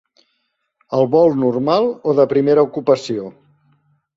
El vol normal o de primera ocupació?